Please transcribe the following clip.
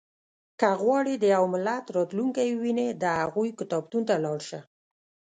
• که غواړې د یو ملت راتلونکی ووینې، د هغوی کتابتون ته لاړ شه.